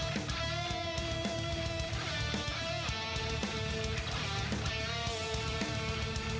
ดูมันชมครับมวยกู้หน้า